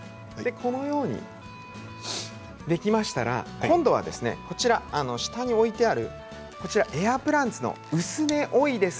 このようにできましたら今度は下に置いてあるエアプランツのウスネオイデス